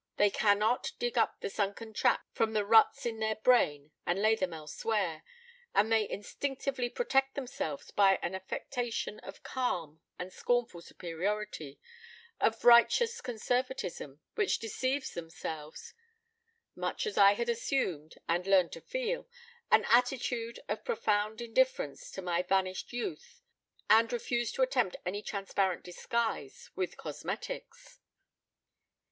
They cannot dig up the sunken tracks from the ruts in their brain and lay them elsewhere; and they instinctively protect themselves by an affectation of calm and scornful superiority, of righteous conservatism, which deceives themselves; much as I had assumed and learned to feel an attitude of profound indifference to my vanished youth, and refused to attempt any transparent disguise with cosmetics."